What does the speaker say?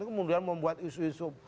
kemudian membuat isu isu